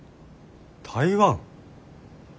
台湾。